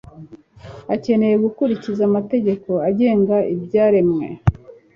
akeneye gukurikiza amategeko agenga ibyaremwe